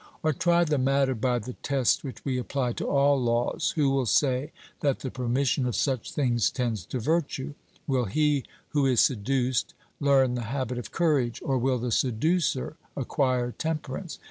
Or try the matter by the test which we apply to all laws, who will say that the permission of such things tends to virtue? Will he who is seduced learn the habit of courage; or will the seducer acquire temperance?